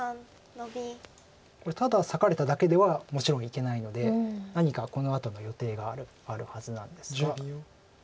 これただ裂かれただけではもちろんいけないので何かこのあとの予定があるはずなんですが。